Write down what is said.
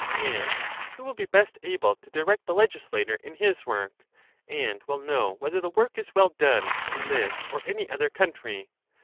And who will be best able to direct the legislator in his work, and will know whether the work is well done, in this or any other country?